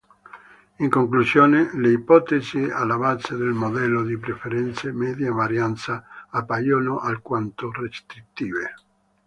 In conclusione, le ipotesi alla base del modello di preferenze media-varianza appaiono alquanto restrittive.